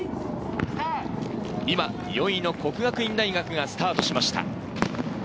今、４位の國學院大學がスタートしました。